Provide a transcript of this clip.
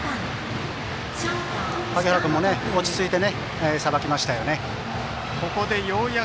萩原君も落ち着いてさばきましたよね。